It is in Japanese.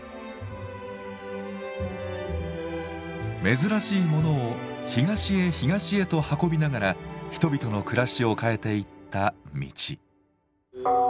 珍しいものを東へ東へと運びながら人々の暮らしを変えていった道。